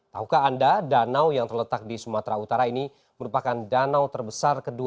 taukah anda danau yang terletak di sumatera utara ini merupakan danau terbesar kedua